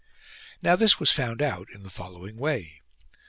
Now this was found out in the following way.